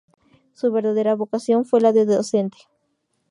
Su verdadera vocación fue la de docente.